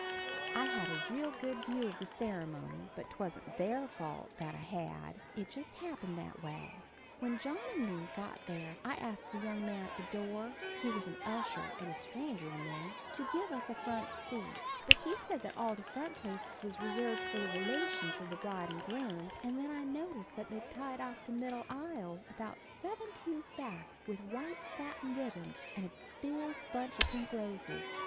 I had a real good view of the ceremony; but 'twasn't their fault that I had; it just happened that way. When John and me got there I asked the young man at the door he was a yusher and a stranger to me to give us a front seat, but he said that all the front places was reserved for the relations of the bride and groom, and then I noticed that they'd tied off the middle aisle about seven pews back with white satin ribbons and a big bunch of pink roses.